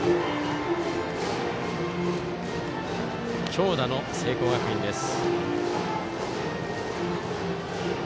強打の聖光学院です。